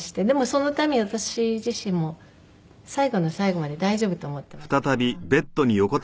でもその度に私自身も最後の最後まで大丈夫と思ってましたから。